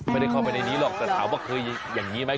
ไม่ได้เข้าไปในนี้หรอกแต่ถามว่าเคยอย่างนี้ไหม